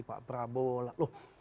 pak prabowo lah